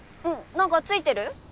何か付いてる？